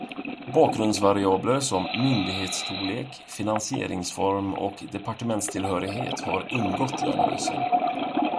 Bakgrundsvariabler som myndighetsstorlek, finansieringsform och departementstillhörighet har ingått i analysen.